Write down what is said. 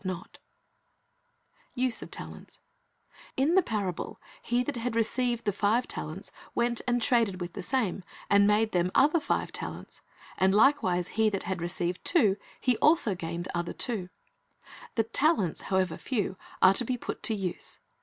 called his oivn servants, and delivered unto tkctn his goods USE OF TALE N TS In the parable he that had "received the five talents went and traded with the same, and made them other five talents ; and likewise he that had received two, he also gained other tv/o. " The talents, however few, are to be put to use.